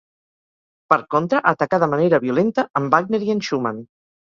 Per contra, atacà de manera violenta en Wagner i en Schumann.